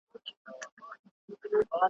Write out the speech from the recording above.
پر خره سپرېدل یو شرم، ځني کښته کېدل یې بل شرم `